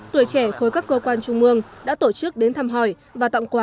tuổi trẻ khối các cơ quan trung mương đã tổ chức đến thăm hỏi và tặng quà